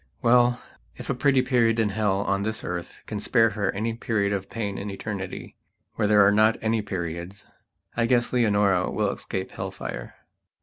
Well, if a pretty period in hell on this earth can spare her any period of pain in Eternitywhere there are not any periodsI guess Leonora will escape hell fire.